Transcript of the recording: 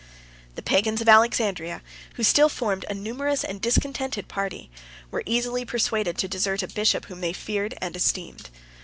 The Pagans of Alexandria, who still formed a numerous and discontented party, were easily persuaded to desert a bishop whom they feared and esteemed.